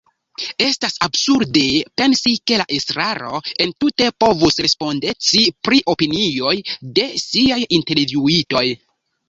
Estas absurde pensi ke la estraro entute povus respondeci pri opinioj de “siaj” intervjuitoj.